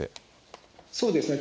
そうですね。